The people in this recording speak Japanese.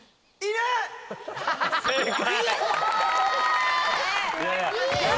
正解。